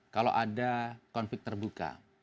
kalau ada konflik terbuka